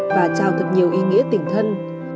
và trao thật nhiều ý nghĩa tình thân